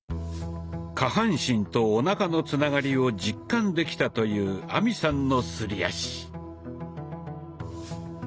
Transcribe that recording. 下半身とおなかのつながりを実感できたという亜美さんのすり足。